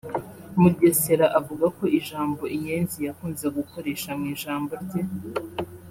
Mugesera avuga ko ijambo inyenzi yakunze gukoresha mu ijambo rye